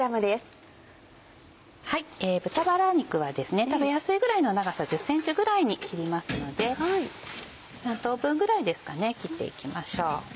豚バラ肉はですね食べやすいぐらいの長さ１０ｃｍぐらいに切りますので３等分ぐらいですかね切っていきましょう。